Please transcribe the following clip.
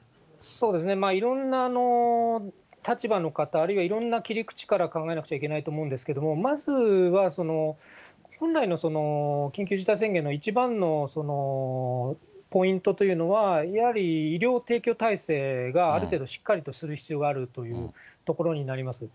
いろんな立場の方、あるいはいろんな切り口から考えなきゃいけないと思うんですけど、まずは本来の緊急事態宣言の一番のポイントというのは、やはり医療提供体制がある程度しっかりとする必要があるというところになります。